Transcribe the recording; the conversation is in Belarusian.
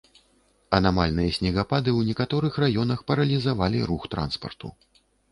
Анамальныя снегапады ў некаторых раёнах паралізавалі рух транспарту.